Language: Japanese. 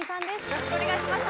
よろしくお願いします。